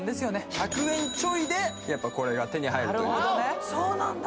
１００円ちょいでやっぱこれが手に入るというそうなんだ？